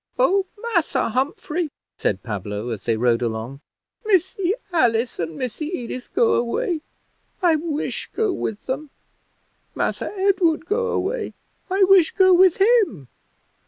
"Oh, Massa Humphrey," said Pablo, as they rode along, "Missy Alice and Missy Edith go away I wish go with them. Massa Edward go away I wish go with him.